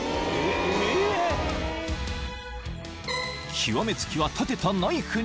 ［極めつきは立てたナイフに］